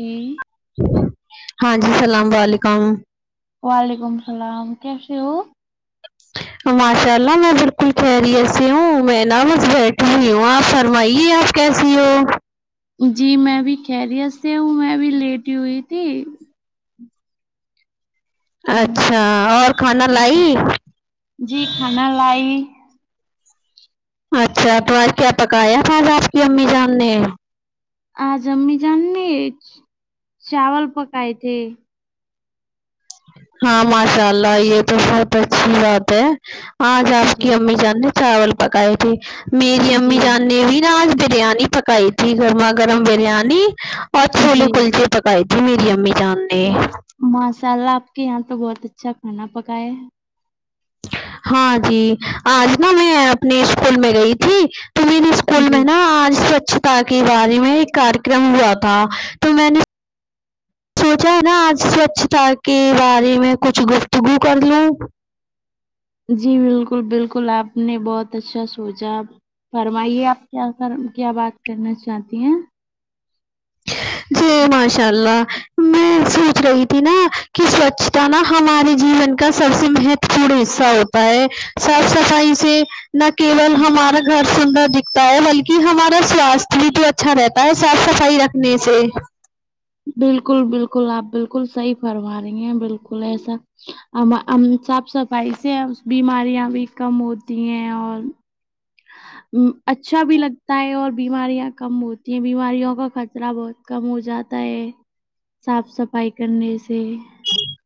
ہوں ہاں جی اسلام و وعلیکم وعلیکم السلام کیسے ہو ماشاء اللہ میں بالکل خیریت سے ہوں میں نا بس بیٹھی ہوئی ہوں آپ فرمائیے آپ کیسی ہو جی میں بھی خیریت سے ہوں میں بھی لیٹی ہوئی تھی اچھا ہوں، اور کھانا جی لائی جی کھانا لائی اچھا تو آج کیا پکایا تھا آج آپ کی امی جان نے آ ج امی جان نے چاول پکائے تھے ہاں ماشاء اللہ یہ تو بہت اچھی بات ہے آج آپ کی جی امی جان نے چاول پکائے تھے میری امی جی جان نے بھی نا آج بریانی پک ائی تھی گرما گرم بریانی اور چھولے جی کلچے پکائی تھی میری امی جان نے ما شاء اللہ آپ کے یہاں تو بہت اچھا کھانا پکایا ہے ہاں جی ہے آج نا میں اپنے اسکول میں گئی تھی تو میرے اسکول جی میں نا آج سوچتا کے بارے میں ایک کاریکرم ہوا تھا تو میں نے سوچا نا آج سوچھتا کے بارے میں کچھ گفتگو کر لوں جی بالکل بالکل آپ نے بہت اچھا سوچا فرمائیے آپ کیا کر کیا بات کرنا چاہتی ہیں اوہ ماشاء اللہ میں سونچ رہی تھی نا کہ سوچھتا نا ہمارے جیون کا سب سے مہتو پورن حصہ ہوتا ہے صاف صفائی سے نہ کیول ہمارا گھر سندر دکھتا ہے بلکہ ہمارا سواستھ بھی تو اچھا رہتا ہے صاف صفائی رکھنے سے بالکل بالکل آپ بالکل صحیح فرما رہی ہیں بالکل ایسا ا ام صاف صفائی سے بیماریاں بھی کم ہوتی ہیں اور ہ ام اچھا بھی لگتا ہے اور بیماریاں کم ہوتی ہیں بیماریوں کا خطرہ بہت کم ہو جا تا ہے صاف صفائی کرنے سے [inaudible]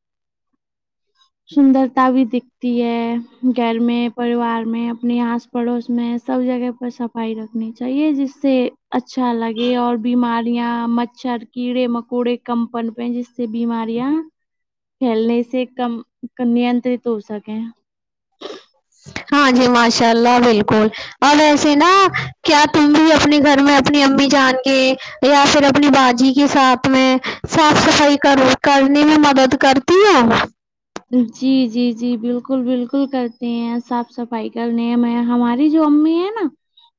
سندرتا بھی دکھتی ہے گھر میں پریوار میں اپنے آس پڑوس میں سب جگہ پر صفائی رکھنی چاہیے جس سے اچھا لگ یہ اور بیماریاں مچھر کیڑے مکوڑے کم پنپے جس سے بیماریاں کھیلنے سے کم کنیانٹرک ہو سکیں ہاں جی ماشاء اللہ بالکل اور ویسے نا کیا تم بھی اپنے گھر میں اپنی امی جان کے یا پھر اپنی باجی کے ساتھ میں صاف صفائی کر کرنے میں مدد کر تی ہو جی جی جی بالکل بالکل کرتی ہیں صاف صفائی کرنے میں ہمارے یہ جو امی اے نا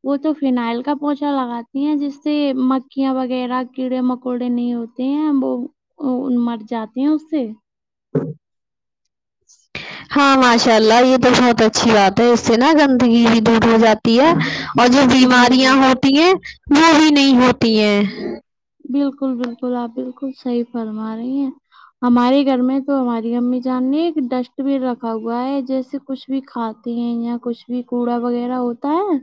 وہ تو فنائل کا پوچا لگاتی ہیں جس سے مکھیاں وغیرہ کیڑے مکوڑے نہیں ہوت تے ہیں وہ وہ مر جاتے ہیں اس سے ہاں ماشاء اللہ یہ تو بہت اچھی بات ہے اس سے نا گندگی بھی دور ہو جاتی ہے اور جو جی بیماریاں جی ہوتی ہیں وہ بھی نہیں ہوتی ائیں بالکل بالکل آپ بالکل صحیح فرما رہی ہیں ہمارے گھر میں تو ہماری امی جان نے ایک ڈسٹ بین رکھا ہوا ہے جیسے کچھ بھی کھاتے ہیں یا کچھ بھی کوڑا وغیرہ ہوتا ہے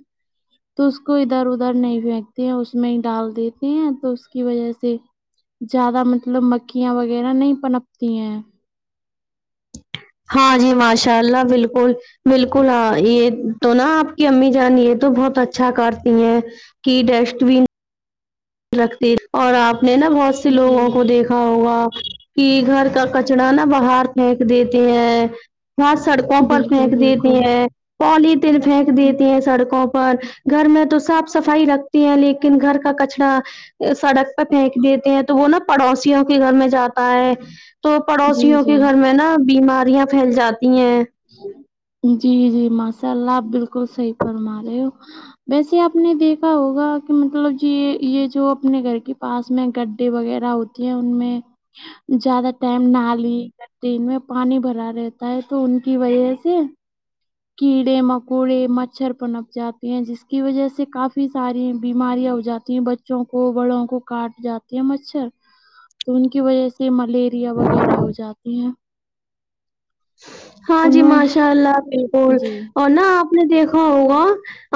تو اس کو ادھر ادھر نہیں پھینکتے ہیں اس میں ہی ڈال دیتے ہیں تو اس کی وجہ سے زیادہ مطلب مکھیاں وغیرہ نہیں پنپتی ہیں ہاں جی ماشاء اللہ بالکل بالکل ا یہ تو نا آپ کی امی جان یہ تو بہت اچھا کرتی ائیں کی ڈسٹ بین رکھتی اور آپ نے نا بہت سے جی لوگوں کو دیکھ کھا ہوگا کہ گھر کا کچڑا نا باہر پھینک دیتے ہیں وہاں سڑکوں پر بالکل پھینک دیتے بالکل ہیں پولی تھن پھینک دیتے ہیں سڑکوں پر گھر میں تو صاف صفائی رکھتی ہیں لیکن گھر کا کچرا سڑک پہ پھینک دیتے ہیں تو وہ نا پڑوسیوں کے گھر میں جاتا ہے تو جی پڑوسیوں کے جی گھر میں نا بیماریاں پھیل جاتی ہیں جی جی ماشاء اللہ آپ بالکل صحیح فرما رہے ہو ویسے آپ نے دیکھا ہوگا کہ مطلب جے یہ جو اپنے گھر کے پاس میں گڈے وغیرہ ہوتی ہیں ان میں زیادہ ٹائم نالی ٹین میں پانی بھرا رہتا ہے تو ان کی وجہ سے اے کیڑے مکوڑے مچھر پنپ جاتے ہیں جس کی وجہ سے کافی ساری بیماریاں ہو جات بچوں کو بڑوں کو کاٹ جاتی ہیں مچھر تو ان کی وجہ سے ملیریا وغیرہ ہو جاتی ہیں ہاں ان جی میں ماشاء اللہ بالکل جی اور نہ آپ نے دیکھا ہوگا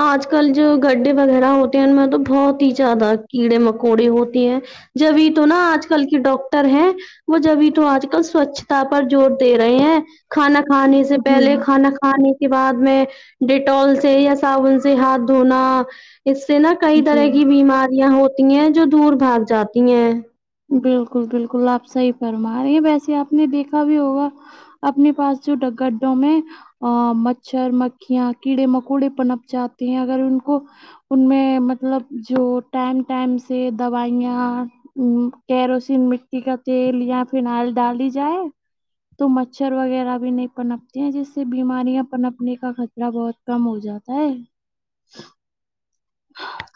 آج کل جو گڈے وغیرہ ہوتے ہیں ان میں تو بہت ہی زیادہ کیڑے مکوڑے ہوتے ہیں جب ہی تو نا آج کل کی ڈاکٹر ہیں وہ جب بھی تو آج کل سوچھتا پر زور دے رہے ہیں کھانا کھانے سے جی پہلے کھانا کھانے کے بعد میں ڈیٹال سے یا صابن سے ہاتھ دھونا اس سے نا کئی طرح جی کی بیماریاں ہوتی ہیں جو دور بھاگ جاتی ہیں بالکل بالکل آپ صحیح فرما رہی ہیں ویسے آپ نے دیکھا بھی ہوگا اپنے پاس جو گڈوں ڈوں ہے ا مچھر مکھیاں کیڑے مکوڑے پنپ جاتے ہیں اگر ان کو ان میں مطلب جو ٹائم ٹائم سے دوائیاں م کیروسین مٹی کا تیل یا فائنل ڈالی جائے تو مچھر وغیرہ بھی نہیں پنپتے ہیں جس سے بیماریاں پنپنے کا خطرہ بہت کم ہو جاتا ہے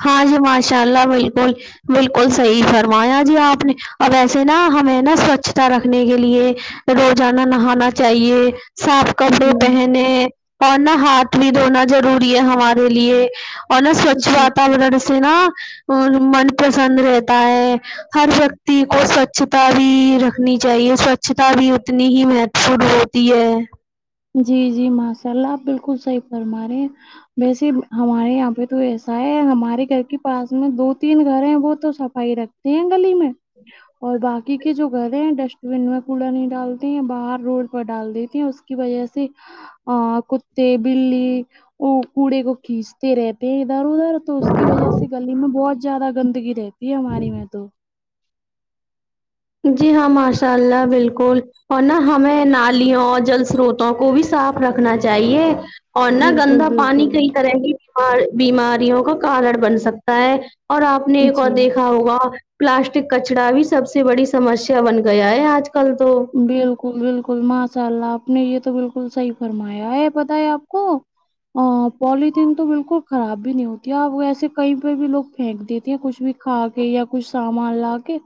ہاں جی ماشاء اللہ بالکل بالکل صحیح جی فرمایا جی آپ نے اور ویسے نا ہمیں نا سوچھتا رکھنے کے لیے روزانہ نہانا چاہیے صاف کپڑے پہنے اور نہا ہاتھ بھی دھونا ضروری ہے ہمارے لیے اور نا سوچھ جی جی واتاورن سے نا من پرسن رہتا ہے ہر ویکتی کو سوچھتا بھی رکھنی چاہیے سوچھتا بھی اتنی ہی مہتوپورن ہو تی ہے جی جی ماشاء اللہ آپ بالکل صحیح فرما رہے ہیں ویسے ہمارے یہاں پہ تو ایسا ہے ہمارے گھر کے پاس میں دو تین گھر ہیں وہ تو صفائی رکھ تے ہیں گلی میں اور باقی کے جو گہرے ڈسٹ بین میں کوڑا نہیں ڈالتے ہیں باہر روڈ پر ڈال دیتی ہیں اس کہ بھائی ایسے آ کتے بلی کوڑے کو کچ رہتے ہیں ادھر ادھر تو اس کی وجہ سے گلی میں بہت زیادہ گندگی رہتی ہے ہمارے یہاں تو جی ہاں ماشاء اللہ بالکل اور نا ہمیں نالیوں اور جل سروت کو بھی صاف رکھنا چاہیے اور نہ بالکل گندا پانی بالکل کئی طرح کی بیماریوں کا کارن بن سکتا ہے اور آپ نے ایک اور جی دیکھا ہوگا پلاسٹک کچڈا بھی سب سے بڑی سمسیا بن گیا ہے آج کل تو بالکل بالکل ماشاء اللہ آپ نے یہ تو بالکل صحیح فرمایا ہے پتہ ہے آپ کو ا پلیتھیین تو بالکل خراب بھی نہیں ہوتی ہے اب ویسے کہیں پر بھی لوگ پھینک دیتے ہیں کچھ بھی کھا کے یا کچھ سامان لا کے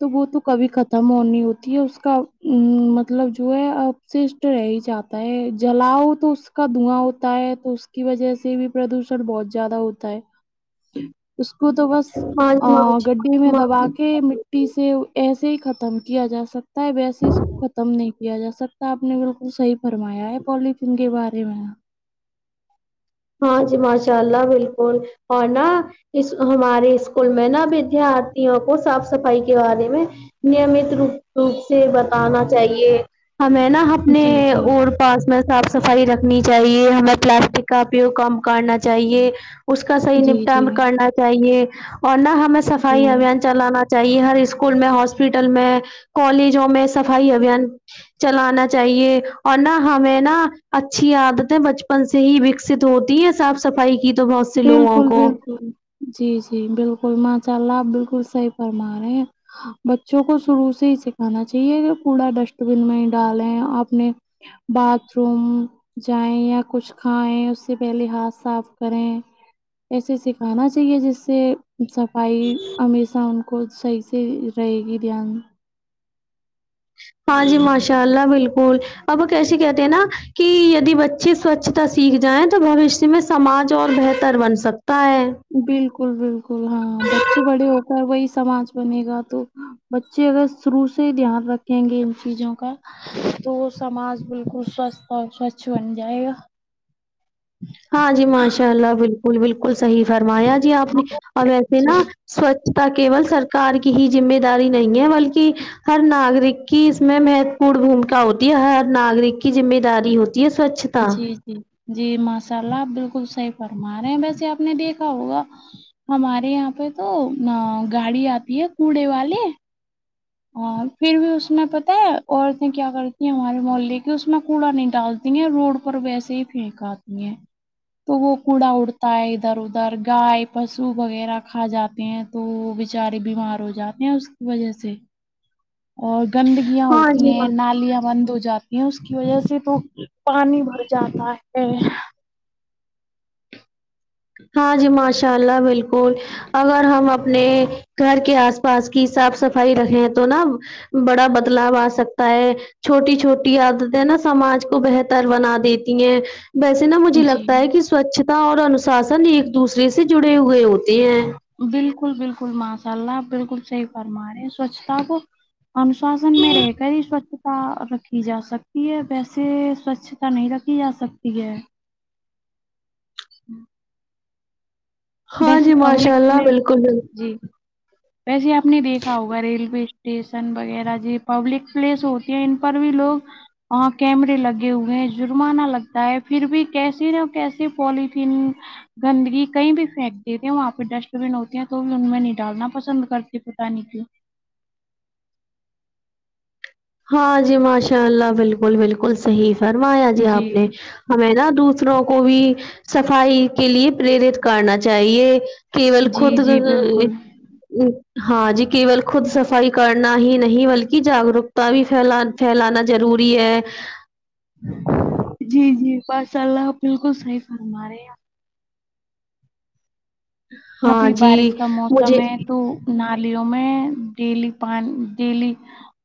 تو وہ تو کبھی ختم ہونی ہوتی ہے اس کاو مطلب جو ہے اپششٹ رہ ہی جاتا ہے جلاؤ تو اس کا دھواں ہوتا ہے تو اس کی وجہ سے بھی پردوشن بہت زیادہ ہوتا ہے اس کو تو بس ماج ا ماج گڈے میں دبا ماج کے م ایسے ایسے ہی ختم کیا جا سکتا ہے ویسے ختم نہیں کیا جا سکتا آپ نے بالکل صحیح فرمایا ہے پولیتھین کے بارے میں ہاں جی ماشاء اللہ بالکل اور نا اس ہمارے اسکول میں نہا ودارتھیوں کو صاف صفائی کے بارے میں نمت رپ روپ سے بتانا چاہیے ہمیں نا جی ہمیں جی اور پاس میں صاف صفائی رکھنی چاہیے ہمیں پلاسٹک کا کم کرنا چاہیے اس کا صحیح جی جی نپٹان کرنا چاہیے اور نہ ہم میں جی سفائی ابھیان چلانا چاہیے ہر اسکول میں ہاسپٹل میں کالجوں میں صفائی ابھیان چلانا چاہیے اور نہ ہمیں نہ اچھی عادتیں بچپن سے ہیکس ہوتی ہے صاف صفائی کی تو بہت سے لوگوں بالکل کو بالکل جی جی بالکل ماشاء اللہ آپ بالکل صحیح فرما رہے ہیں بچوں کو شروع سے ہی سکھانا چاہیے جو کوڑا ڈسٹ بین میں ہی ڈالیں اپنے باتھ روم جائیں یا کچھ کھائیں اس سے پہلے ہاتھ صاف کریں ایسے سکھانا چاہیے جس سے صفائی ہمیشہ ان کو صحیح سے رہے گی دھیان میں ہاں جی ماشاء اللہ بالکل اب کیسے کہتے ہیں نا کہ یدی ب اچھی سوچھتا سیکھ جائیں تو بوشیہ میں سماج اور بہتر بن سکتا ہے بالکل بالکل ہاں بچے بڑے ہو کر وہی سماج بنے گا تو بچے اگر شروع سے ہی دھیان رکھیں گے ان چیزوں کا تو سماج بالکل سوست اور سوچھ بن جائے گا ہاں جی ماشاء اللہ بالکل بالکل صحیح فرمایا جی آپ نے اور ویسے جی نا سوچھتا کیول سرکار کی ہی ذمہ داری نہیں ہے بلکہ ہر ناگرک کی اس میں مہتو پورن بھومکا ہوتی ہے ہر ناگرک کی ذمہ داری ہوتی ہے سوچھ جی جی جی ماشاء اللہ آپ بالکل صحیح فرما رہے ہیں ویسے آپ نے دیکھا ہوگا ہمارے یہاں پہ تو گاڑی آتی ہے کوڑے والے ہاں پھر بھی اس میں پتاہ ہے عورتیں کیا کرتی ہیں ہمارے محلے کی اس میں کوڑا نہیں ڈالتی تی ہیں روڈ پر ویسے ہی پھینک آتی ہیں تو وہ کوڑا اڑتا ہے ادھر ادھر گائے پشو وغیرہ کھا جاتے ہیں تو وہ بیچارے بیمار ہو جاتے ہیں اس کی وجہ سے اور گندگیاں ہاں ہوتی جی ہیں نالیاں بند ہو جا ی اس کی وجہ سے تو پانی بھر جاتا ہے ہاں جی ماشاء اللہ بالکل اگر ہم اپنے گھر کے آس پاس کی صاف صفائی رکھیں تو نا بڑا بدلاؤ آ سکتا ہے چھوٹی چھوٹی عادتیں نا سماج کو بہتر بنا دیتی ہیں ویسے نا مجھے جی لگتا ہے کہ سوچھتا اور انوشاسن ایک دوسرے سے جڑے ہوئے ہوتے ہیں بالکل بالکل ماشاء اللہ آپ بالکل صحیح فرماے ہیں سوچھتا کو انوشاسن میں رہ کر ہی سوچھ رکھی جا سکتی ہے ویسے سوچھتا نہیں رکھی جا سکتی ہے ہاں ویسے جی پبلک ماشاء اللہ پلیس بالکل بال جی ویسے آپ نے دیکھا ہوگا ریلوے اسٹیشن وغیرہ جی پبلک پلیس ہو ان پر بھی لوگ وہاں کیمرے لگے ہوئے ہیں جرمانہ لگتا ہے پھر بھی کیسے نہ کیسے پالتھین گندگی کہیں بھی پھییک دیتے ہیں وہاں پہ ڈسٹ بین ہوتی ہیں تو بھی ان میں نہیں ڈالنا پسند کرتی پتا نہیں کیوں ہاں جی ماشاء اللہ بالکل بالکل صحیح فرمایا جی آپ نے ہمیں نا دوسروں کو بھی صفائی کے لیے پرییرت کرنا چاہیے کیول جی خود جی بالکل ہاں جی کیول خود صفائی کرنا ہی نہیں بلکہ جاگروک تا بھی فھیلان پھیلانا بھی ضروری ہے جی جی ما شا اللہ آپ بالکل صحیح فرمارہے آپ ہاں ابھی جی بارش کا موسم مجھے ہے تو نالیوں میں ڈیلی پان ڈیلی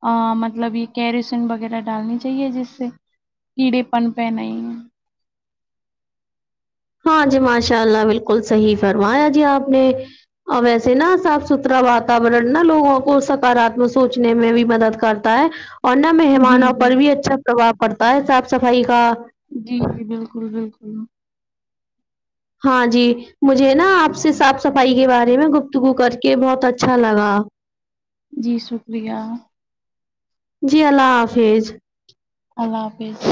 ا مطلب یہ کیریسن وغیرہ ڈالنی چاہیے جس سے کیڑے پن پہ نہیں ہاں جی ماشاء اللہ بالکل صحیح فرمایا جی آپ نے ا ویسے نا صاف ستھرا واتا و رن نا لوگوں کو سکارا رات میں سوچنے میں بھی مدد کرتا ہے اور نہ جی مہمانوں پر جی بھی اچھا پرباؤ پڑتا ہے صاف صفائی کا جی جی بالکل بالکل ہاں جی مجھے نا آپ سے صاف صفائی کے بارے میں گفتگو کر کے بہت اچھا لگا جی شکریہ جی اللہ حافظ اللہ حافظ